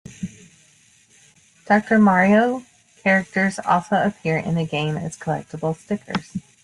"Doctor Mario" characters also appear in the game as collectible stickers.